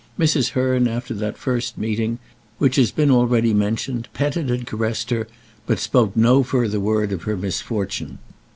Mrs. Hearn, after that first meeting which has been already mentioned, petted and caressed her, but spoke no further word of her misfortune.